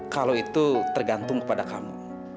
kalau itu tergantung kepada kamu